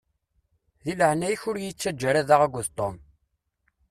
Di leɛnaya-k ur yi-ttaǧǧa ara da akked Tom.